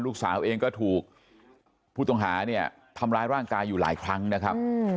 ลูกสาวเองก็ถูกผู้ต้องหาเนี่ยทำร้ายร่างกายอยู่หลายครั้งนะครับ